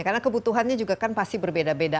karena kebutuhannya juga kan pasti berbeda beda